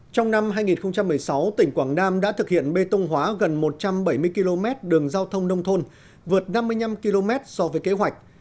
trong năm hai nghìn một mươi sáu tỉnh quảng nam đã thực hiện bê tông hóa gần một trăm bảy mươi km đường giao thông nông thôn vượt năm mươi năm km so với kế hoạch